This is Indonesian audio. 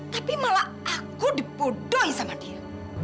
tapi malah aku dipudoi sama dia